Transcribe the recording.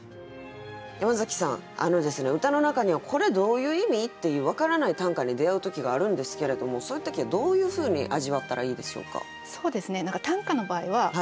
山崎さん歌の中には「これどういう意味？」っていう分からない短歌に出合う時があるんですけれどもそういう時はどういうふうに味わったらいいでしょうか？